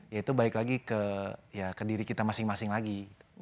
ya itu balik lagi ke ya ke diri kita masing masing lagi